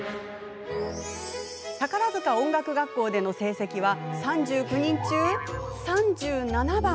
宝塚音楽学校での成績は３９人中、３７番。